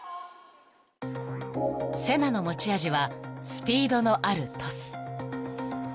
［セナの持ち味はスピードのあるトス］